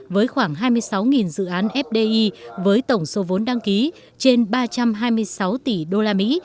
với khoảng hai mươi sáu dự án fdi với tổng số vốn đăng ký trên ba trăm hai mươi sáu tỷ usd